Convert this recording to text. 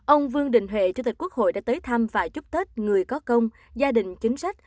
ông vương đình huệ chủ tịch quốc hội đã tới thăm và chúc tết người có công gia đình chính sách